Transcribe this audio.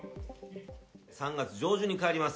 ３月上旬に帰ります。